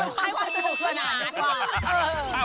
คือไม่ขอให้ความสนุกสนาน